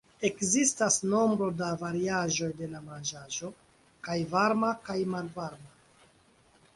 Ekzistas nombro da variaĵoj de la manĝaĵo, kaj varma kaj malvarma.